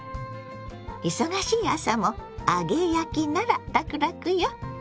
忙しい朝も揚げ焼きならラクラクよ。